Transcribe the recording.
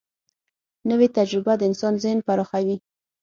نوې تجربه د انسان ذهن پراخوي